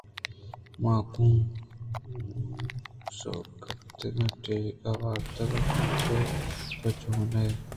من گوں شُگپتہ ءَ ڈیک وارتگ ءُ من ءَ گْوشت ئِے، تو چون ئے۔